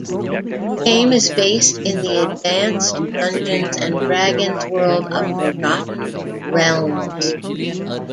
The game is based in the "Advanced Dungeons and Dragons" world of Forgotten Realms.